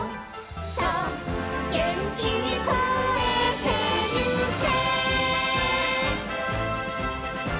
「そうげんきにこえてゆけ」